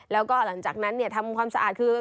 แล้วก็หลังจากนั้นทำความสะอาดคือ